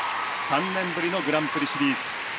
３年ぶりのグランプリシリーズ。